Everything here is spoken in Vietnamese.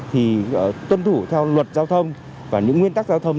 thì tuân thủ theo luật giao thông và những nguyên tắc giao thông